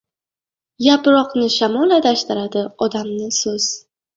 • Yaproqni shamol adashtiradi, odamni ― so‘z.